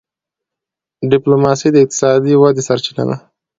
ډيپلوماسي د اقتصادي ودي سرچینه ده.